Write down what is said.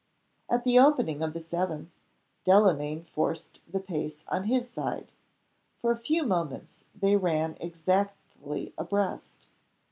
At the opening of the seventh, Delamayn forced the pace on his side. For a few moments, they ran exactly abreast.